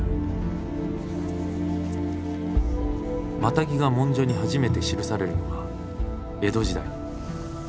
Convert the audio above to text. マタギが文書に初めて記されるのは江戸時代。